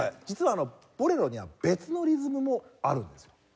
実はボレロには別のリズムもあるんですよ。